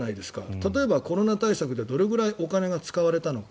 例えば、コロナ対策でどれぐらいお金が使われたのか。